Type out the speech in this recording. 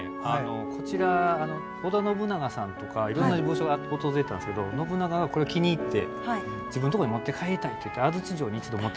こちら織田信長さんとかいろんな武将が訪れたんですけど信長がこれを気に入って「自分のとこに持って帰りたい」って言ってあら。